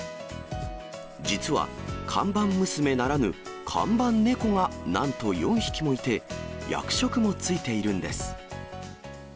実は、看板娘ならぬ、看板猫がなんと４匹もいて、役職もついているんです。